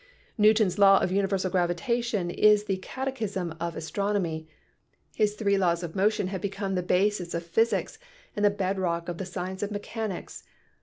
Newton's Law of Universal Gravitation is the cate chism of astronomy; his Three Laws of Motion have be come the basis of physics and the bed rock of the science of mechanics.